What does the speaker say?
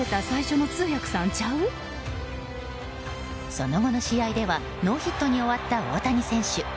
その後の試合ではノーヒットに終わった大谷選手。